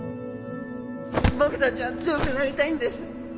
僕たちは強くなりたいんです。